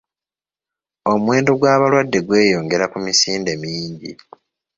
Omuwendo gw'abalwadde gweyongerera ku misinde mingi.